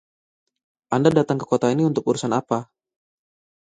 Anda datang ke kota ini untuk urusan apa?